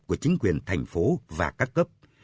của chính quyền thành phố và các cấp